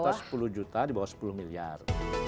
ya di atas sepuluh juta di bawah sepuluh miliar